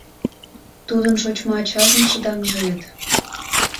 — Тудын шочмо ачажын шыдаҥже вет.